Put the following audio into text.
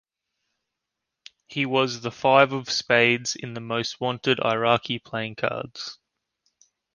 He was the five of spades in the most-wanted Iraqi playing cards.